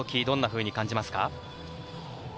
どんなふうに感じますか？